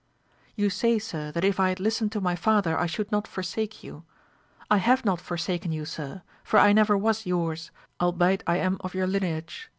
You say, sir, that if I had listened to my father I should not forsake you : I have not forsaken you, sir, for I never was yours, albeit I am of your lineage.